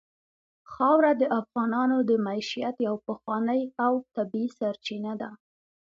خاوره د افغانانو د معیشت یوه پخوانۍ او طبیعي سرچینه ده.